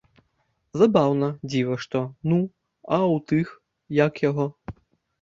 Забаўна, дзіва што, ну, а ў тых, як яго?